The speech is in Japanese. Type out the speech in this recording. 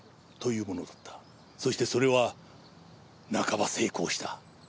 そしてそれは半ば成功した。